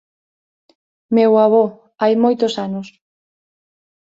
Meu avó, hai moitos anos